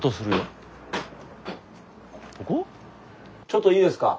ちょっといいですか？